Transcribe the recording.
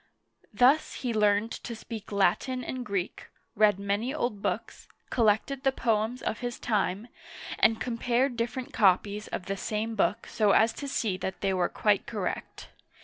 Thus he learned to speak Latin and Greek, read many old books, collected the poems of his time, and compared different copies of the same book so as to see that they were quite correct.